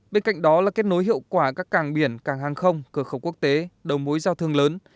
bên cạnh đó là kết nối hiệu quả các càng biển càng hàng không cửa khẩu quốc tế đầu mối giao thương lớn